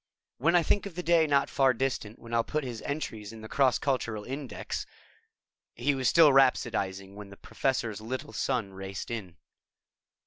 When I think of the day not far distant when I'll put his entries in the cross cultural index ..." He was still rhapsodizing when the Professor's Little Son raced in.